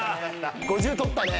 ５０取ったね。